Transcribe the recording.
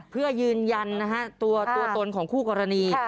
เพื่อยืนยันตัวตนของผู้กรณี